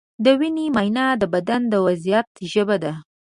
د وینې معاینه د بدن د وضعیت ژبه ده.